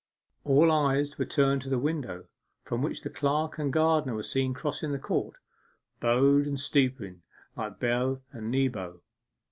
All eyes were turned to the window, from which the clerk and gardener were seen crossing the court, bowed and stooping like Bel and Nebo.